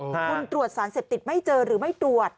คุณตรวจสารเสพติดไม่เจอหรือไม่ตรวจ